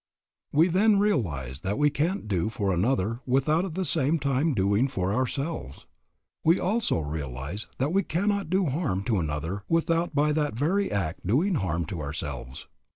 We then realize that we can't do for another without at the same time doing for ourselves. We also realize that we cannot do harm to another without by that very act doing harm to ourselves.